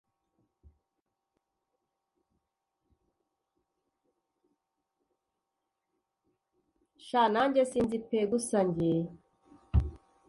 sha nanjye sinzi pe gusa njye